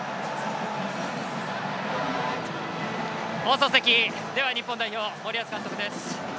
放送席、では日本代表森保監督です。